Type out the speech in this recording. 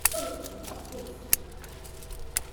惡的循環就此展開